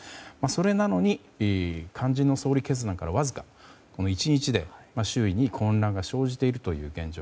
それなのに、肝心の総理決断からわずか１日で周囲に混乱が生じている現状